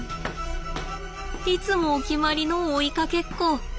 いつもお決まりの追いかけっこ。